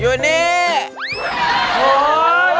อยู่นี่